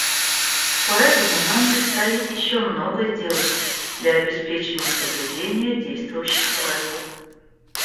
Поэтому нам предстоит еще много сделать для обеспечения соблюдения действующих правил.